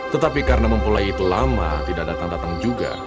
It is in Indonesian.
tetapi karena mempelai itu lama tidak datang datang juga